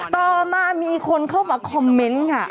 ต่อมามีคนเข้ามาคอมเมนต์ค่ะ